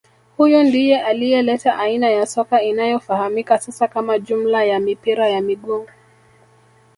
Huyu ndiye aliyeleta aina ya soka inayofahamika sasa kama jumla ya mipira ya miguu